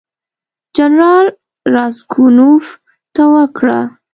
جنرال راسګونوف ته وکړه.